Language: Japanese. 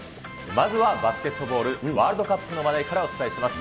まずはバスケットボール、ワールドカップの話題からお伝えします。